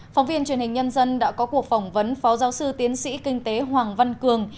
phóng viên truyền hình nhân dân đã có cuộc phỏng vấn phó giáo sư tiến sĩ kinh tế hoàng văn cường